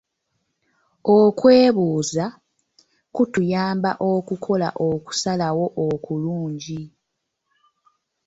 Okwebuuza kutuyamba okukola okusalawo okulungi.